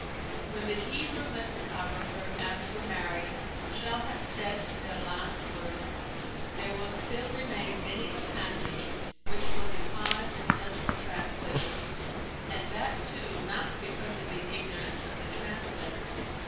— ^When the Hebrew lexicographer and grammarian shall have said their last word, there will still remain many a passage which will defy successful translation — and that, too, not because of the ignorance of the translator.